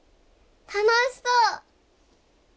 楽しそう！